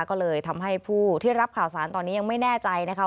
ก็เลยทำให้ผู้ที่รับข่าวสารตอนนี้ยังไม่แน่ใจนะคะ